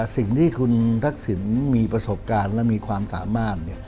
สิ่งที่คุณทักษิณมีประสบการณ์และมีความสามารถ